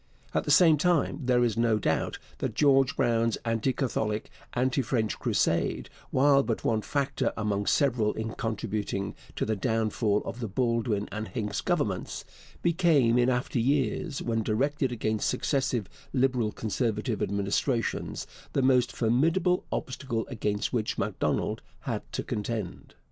At the same time, there is no doubt that George Brown's anti Catholic, anti French crusade, while but one factor among several in contributing to the downfall of the Baldwin and Hincks Governments, became in after years, when directed against successive Liberal Conservative Administrations, the most formidable obstacle against which Macdonald had to contend.